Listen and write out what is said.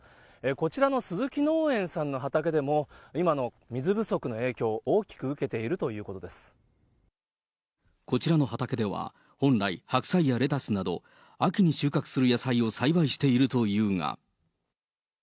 こちらの鈴木農園さんの畑でも、今の水不足の影響、大きく受けてこちらの畑では本来、白菜やレタスなど、秋に収穫する野菜を栽培しているというが。